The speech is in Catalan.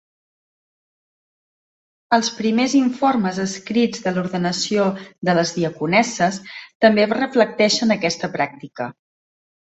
Els primers informes escrits de l'ordenació de les diaconesses també reflecteixen aquesta pràctica.